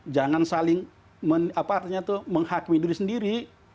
jangan saling menghakimi diri sendiri